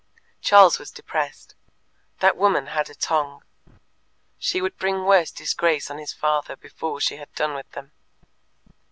Charles was depressed. That woman had a tongue. She would bring worse disgrace on his father before she had done with them.